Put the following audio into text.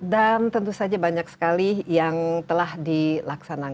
dan tentu saja banyak sekali yang telah dilaksanakan